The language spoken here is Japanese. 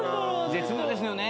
絶妙ですね